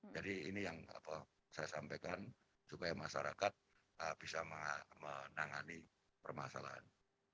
ini yang saya sampaikan supaya masyarakat bisa menangani permasalahan